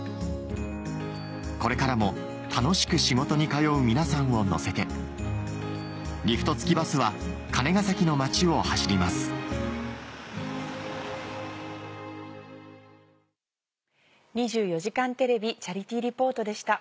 これからも楽しく仕事に通う皆さんを乗せてリフト付きバスは金ケ崎の町を走ります「２４時間テレビチャリティー・リポート」でした。